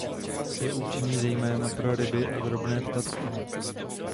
Je účinný zejména pro ryby a drobné ptactvo.